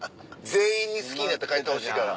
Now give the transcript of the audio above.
全員に好きになって帰ってほしいから。